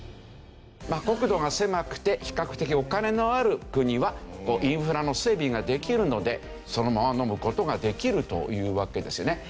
国土が狭くて比較的お金のある国はインフラの整備ができるのでそのまま飲む事ができるというわけですよね。